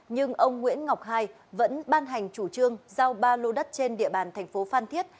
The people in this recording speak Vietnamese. nhưng ông nguyễn ngọc hai vẫn ban hành chủ trương giao ba lô đất trên địa bàn thành phố phan thiết